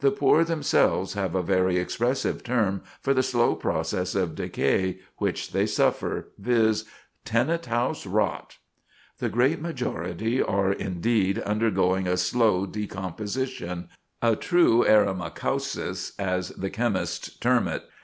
The poor themselves have a very expressive term for the slow process of decay which they suffer, viz.: "Tenant house Rot." The great majority are, indeed, undergoing a slow decomposition a true eremacausis, as the chemists term it.